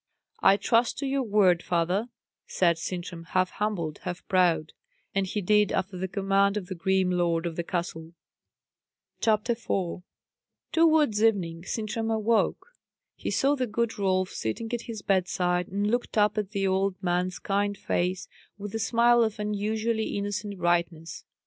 "I trust to your word, father," said Sintram, half humble, half proud; and he did after the command of the grim lord of the castle. CHAPTER 4 Towards evening Sintram awoke. He saw the good Rolf sitting at his bedside, and looked up in the old man's kind face with a smile of unusually innocent brightness.